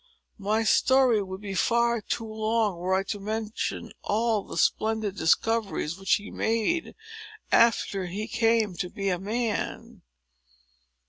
My story would be far too long, were I to mention all the splendid discoveries which he made, after he came to be a man.